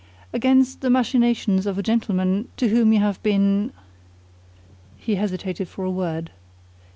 "Against the machinations of a gentleman to whom you have been " he hesitated for a word.